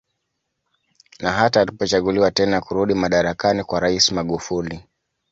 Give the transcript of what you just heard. Na hata alipochaguliwa tena kurudi madarakani kwa rais Mgufuli